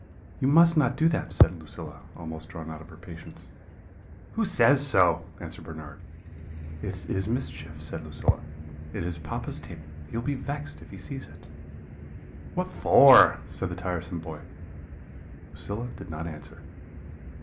"'You must not do that,' said Lucilla, almost drawn out of her patience. "'Who says so?' answered Bernard. "'It is mischief,' said Lucilla. 'It is papa's table; he will be vexed if he sees it.' "'What for?' said the tiresome boy. "Lucilla did not answer.